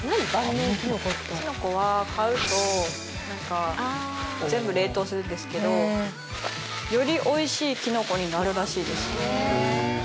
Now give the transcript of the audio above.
きのこは、買うと全部、冷凍するんですけどより、おいしいきのこになるらしいです。